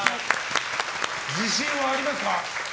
自信はありますか？